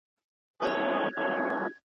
په دې ډند کي هره ورځ دغه کیسه وه ,